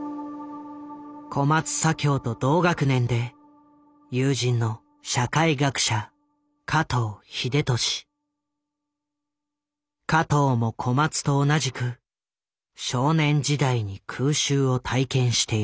小松左京と同学年で友人の加藤も小松と同じく少年時代に空襲を体験している。